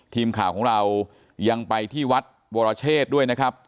ทีมข่าวของเรายังไปที่วัดวรเชษด้วยนะครับ